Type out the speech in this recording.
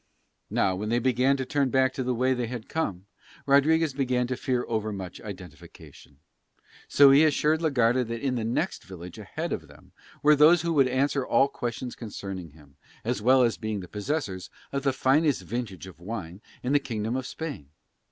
Now when they began to turn back by the way they had come Rodriguez began to fear overmuch identification, so he assured la Garda that in the next village ahead of them were those who would answer all questions concerning him, as well as being the possessors of the finest vintage of wine in the kingdom of Spain.